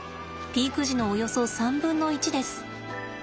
ピーク時のおよそ３分の１です。